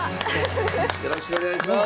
よろしくお願いします。